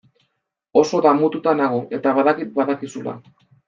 Oso damututa nago eta badakit badakizula.